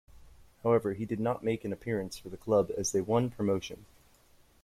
However, he did not make an appearance for the club as they won promotion.